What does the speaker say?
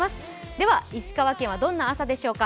では石川県はどんな朝でしょうか。